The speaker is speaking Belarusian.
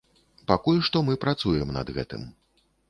Пакуль што мы працуем над гэтым.